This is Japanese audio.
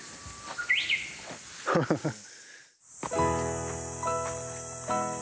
フフフッ。